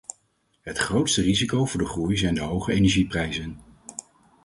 Het grootste risico voor de groei zijn de hoge energieprijzen.